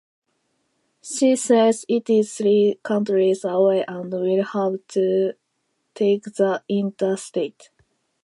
She says it is three counties away and will have to take the interstate.